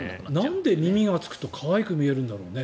なんで耳がつくと可愛く見えるんだろうね。